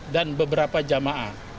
dan beberapa jemaah